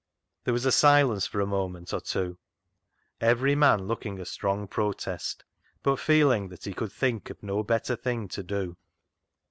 There was silence for a moment or two, every man looking a strong protest, but feeling that he could think of no better thing to do.